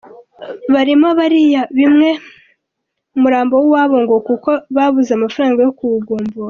Barimo bariya bimwe umurambo w’uwabo ngo kuko babuze amafranga yo kuwugombora;